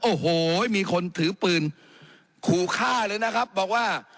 โอ้โหมีคนถือปืนขู่ฆ่าเลยนะครับบอกว่า